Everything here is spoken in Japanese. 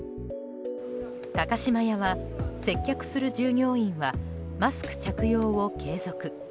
高島屋は接客する従業員はマスク着用を継続。